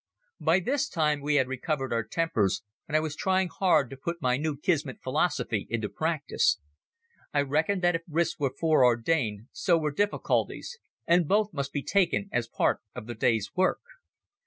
By this time we had recovered our tempers, and I was trying hard to put my new Kismet philosophy into practice. I reckoned that if risks were foreordained, so were difficulties, and both must be taken as part of the day's work.